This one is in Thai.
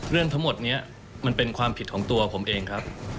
เรื่องทั้งหมดนี้มันเป็นความผิดของตัวผมเองครับ